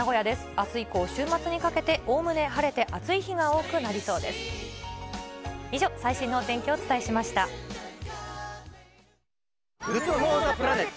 あす以降、週末にかけておおむね晴れて暑い日が多くなりそうです。